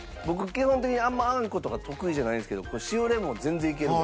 基本的にあんまあんことか得意じゃないんですけど塩レモンは全然いけるわ。